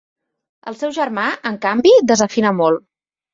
El seu germà, en canvi, desafina molt.